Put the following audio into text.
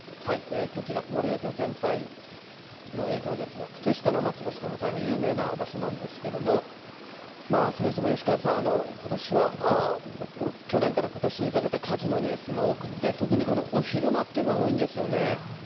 こちら、広陵町全体の映像ですが、靴下の町としても大変有名な場所なんですけれども、それにしても吉川さん、ことしは、去年からことしにかけて火事のニュースも多くて、特にこのお昼間というのが多いんですよね。